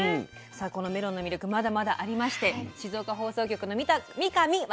このメロンの魅力まだまだありまして静岡放送局の三上弥